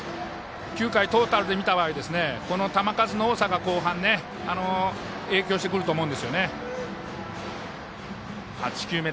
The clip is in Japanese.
９回トータルで見た場合球数の多さが後半、影響してくると思います。